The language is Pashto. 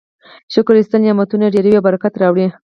شکر ایستل نعمتونه ډیروي او برکت راوړي.